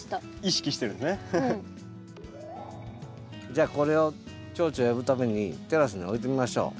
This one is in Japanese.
じゃあこれをチョウチョ呼ぶためにテラスに置いてみましょう。